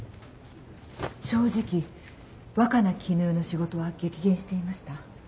正直若菜絹代の仕事は激減していました。